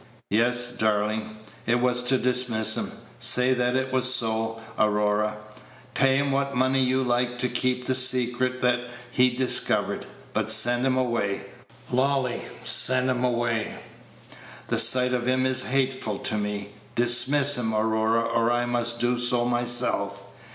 "Yes, darling, it was to dismiss him say that it was so, Aurora. Pay him what money you like to keep the secret that he discovered, but send him away, Lolly, send him away. The sight of him is hateful to me. Dismiss him, Aurora, or I must do so myself."